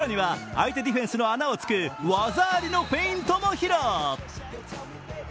更には相手ディフェンスの穴をつく技ありのフェイントも披露。